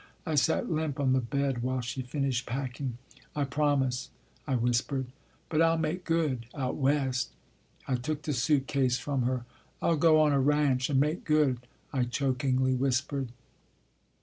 I sat limp on the bed while she finished packing. " I promise," I whispered, " but I ll make good out West." I took the suitcase from her. " I ll go on a ranch and make good," I chokingly whispered.